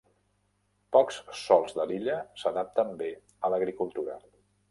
Pocs sòls de l'illa s'adapten bé a l'agricultura.